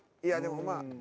いやでも。